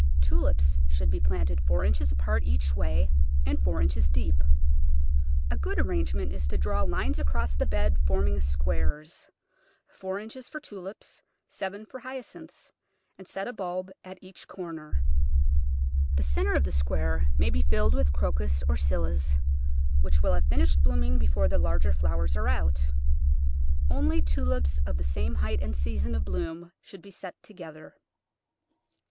Tulips should be planted four inches apart each way and four inches deep. A good ar rangement is to draw lines across the bed forming Digitized by Google Seventeen] %ty CatT <rf BUto* »»9 squares — four inches for Tulips, seven for Hyacinths — and set a bulb at each corner. The centre of the square may be filled with Crocus or Scillas, which will have finished blooming before the larger flowers are out. Only Tulips of the same height and season of bloom should be set together.